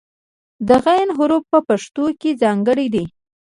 د "غ" حرف په پښتو کې ځانګړی دی.